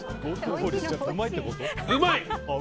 うまい！